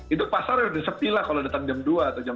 itu pasar udah sepi lah kalau datang jam dua atau jam dua